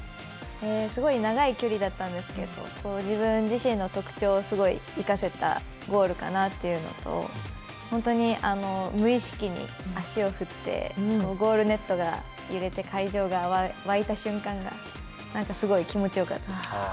すごい長い距離だったんですけど自分自身の特徴をすごい生かせたゴールかなというのと本当に無意識に足を振ってゴールネットが揺れて会場が沸いた瞬間がすごい気持ちよかったです。